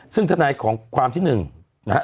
ซึ่งทนายของความที่๑นะฮะ